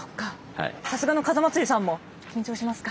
さすがの風祭さんも緊張しますか。